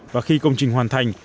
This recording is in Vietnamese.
và khi công trình hoàn thành